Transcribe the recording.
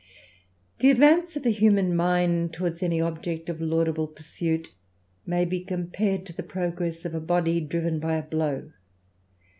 The advance of the human mind towards any object of laudable pursuit, may be compared to the progress of a body driven by a blow.